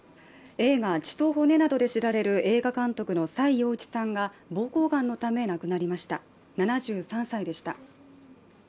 映画「血と骨」などで知られる映画監督の崔洋一さんがぼうこうがんのため、亡くなりました、７３歳でした。